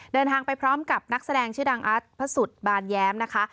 เดินทางไปพร้อมกับนักแสดงชื่อดังอาร์ตพระสุทธิบานแย้มนะคะ